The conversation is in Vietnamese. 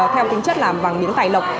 theo tính chất là bằng miếng tài lộc